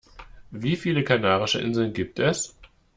Wie viele Kanarische Inseln gibt es?